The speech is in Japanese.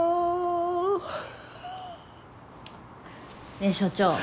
ねえ所長。